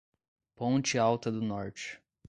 Ponte Alta do Norte